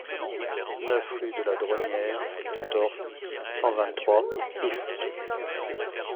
neuf rue de la Dronnière, quatorze, cent vingt-trois, Ifs